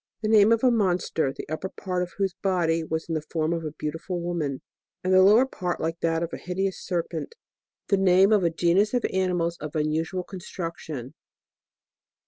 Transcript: The name of a monster, the upper part of whose body was in the form of a beautiful woman, and the lower part like that of a hideous serpent. The name of a genus of animals of unusual con struction.